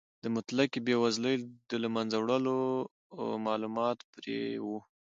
د مطلقې بې وزلۍ د له منځه وړلو مالومات پرې و.